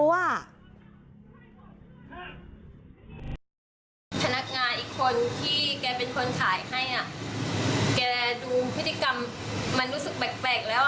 พนักงานอีกคนที่แกเป็นคนขายให้อ่ะแกดูพฤติกรรมมันรู้สึกแปลกแล้ว